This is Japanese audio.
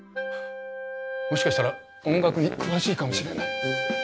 もしかしたら音楽に詳しいかもしれない。